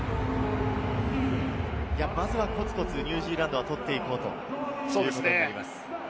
まずはコツコツ、ニュージーランドが取っていこうということです。